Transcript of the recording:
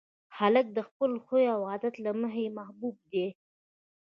هلک د خپل خوی او عادت له مخې محبوب دی.